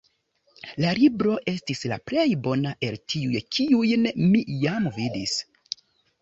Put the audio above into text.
La libro estis la plej bona el tiuj, kiujn mi jam vidis.